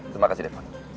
terima kasih telepon